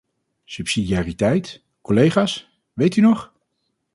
Subsidiariteit, collega's: weet u nog?